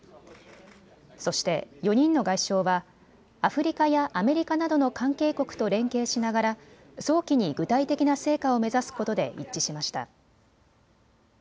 そして４人の外相はアフリカやアメリカなどの関係国と連携しながら早期に具体的な成果を目指すことで一致しました。